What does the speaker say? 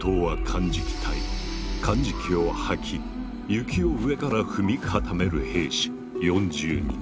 かんじきを履き雪を上から踏み固める兵士４０人。